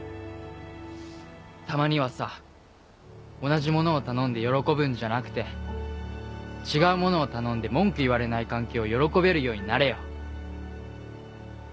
たまにはさ同じものを頼んで喜ぶんじゃなくて違うものを頼んで文句言われない関係を喜べるようになれよ。